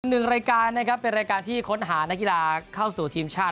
หนึ่งรายการนะครับเป็นรายการที่ค้นหานักกีฬาเข้าสู่ทีมชาติ